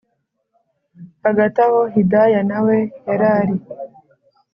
hagati aho hidaya nawe yarari